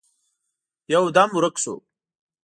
يودم ورک شو.